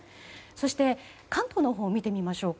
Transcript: そして、関東のほうを見ていきましょう。